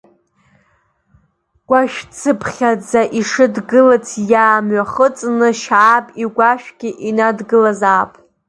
Гәашәцыԥхьаӡа ишыдгылац иаамҩахыҵны Шьааб игәашәгьы инадгылазаап.